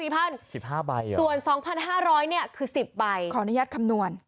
๑๕ใบเหรอส่วน๒๕๐๐เนี่ยคือ๑๐ใบขออนุญาตคำนวณ